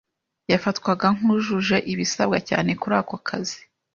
Yafatwaga nkujuje ibisabwa cyane kuri ako kazi.